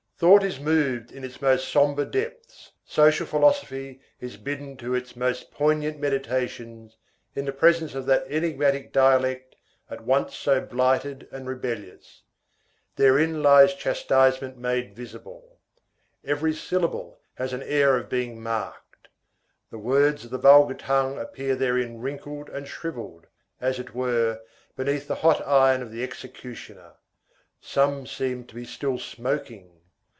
Thought is moved in its most sombre depths, social philosophy is bidden to its most poignant meditations, in the presence of that enigmatic dialect at once so blighted and rebellious. Therein lies chastisement made visible. Every syllable has an air of being marked. The words of the vulgar tongue appear therein wrinkled and shrivelled, as it were, beneath the hot iron of the executioner. Some seem to be still smoking.